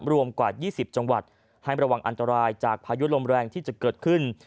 รวมกว่า๒๐จังหวัดให้ระวังอันตรายจากพายุลมแรงที่จะเกิดขึ้น